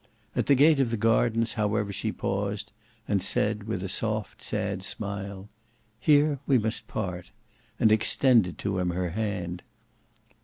At the gate of the gardens however she paused, and said with a soft sad smile, "Here we must part," and extended to him her hand.